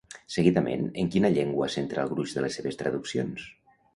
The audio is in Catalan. Seguidament, en quina llengua centrà el gruix de les seves traduccions?